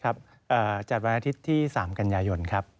จัดวันอาทิตย์ที่๓กันยายนครับ